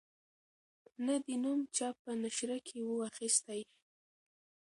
نه دي نوم چا په نشره کی وو اخیستی